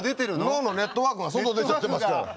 脳のネットワークが外出ちゃってますから。